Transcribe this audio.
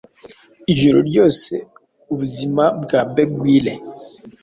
Ijoro ryose ubuzima bwa beguile.